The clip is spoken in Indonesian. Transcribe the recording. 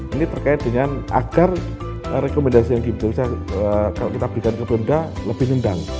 ini terkait dengan agar rekomendasi yang diberikan kalau kita berikan ke pemda lebih nendang